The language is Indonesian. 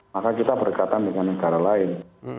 maka kita berdekatan dengan negara lain